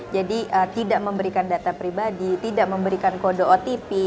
jadi tidak memberikan data pribadi tidak memberikan kode otp